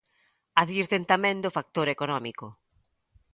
Advirten tamén do factor económico.